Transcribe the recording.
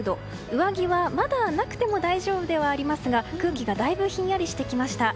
上着はまだなくても大丈夫ではありますが空気がだいぶひんやりしてきました。